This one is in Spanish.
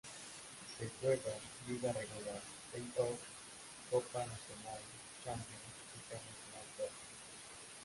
Se juega Liga Regular, play-off, copa nacional, champions, international cup.